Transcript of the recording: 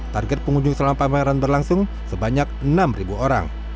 target pengunjung selama pameran berlangsung sebanyak enam orang